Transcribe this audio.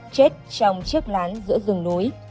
chết trong chiếc lán giữa rừng núi